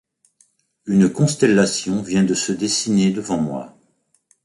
Une constellation vient de se dessiner devant moi.